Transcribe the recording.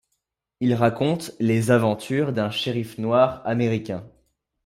Il raconte les aventures d'un shérif noir américain.